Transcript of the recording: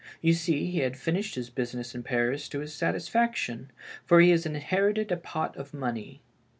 You see, he had finished his business in Paris to his satisfaction, for he has inherited a pot of money.